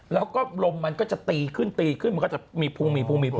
ร้มมันจะตีขึ้นก็จะมีพวง